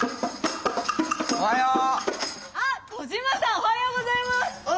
おはようございます！